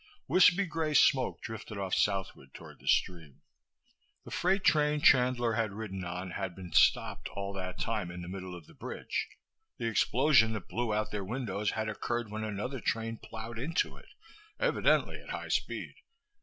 Wispy gray smoke drifted off southward toward the stream. The freight train Chandler had ridden on had been stopped, all that time, in the middle of the bridge. The explosion that blew out their windows had occurred when another train plowed into it evidently at high speed.